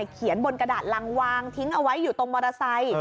บนกระดาษรังวางทิ้งเอาไว้อยู่ตรงมอเตอร์ไซค์